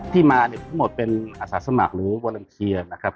ที่มาเนี่ยทั้งหมดเป็นอาสาสมัครหรือวอลันเทียนะครับ